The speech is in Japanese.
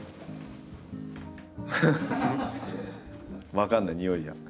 分かんないにおいじゃ。